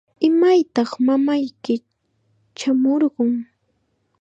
¿Imaytaq mamayki chaamurqun?